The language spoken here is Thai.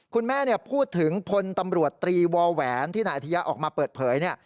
คุณแม่พูดถึงพลตำรวจตรีวอแหวนที่นายอธิยะออกมาเปิดเผยเนี่ย